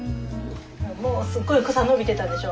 もうすごい草伸びてたでしょ？